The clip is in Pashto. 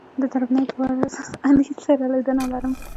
د درېنۍ په ورځ علي سره لیدنه لرم